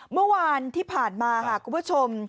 เมื่อวานที่ผ่านมาค่ะคุณผู้ชม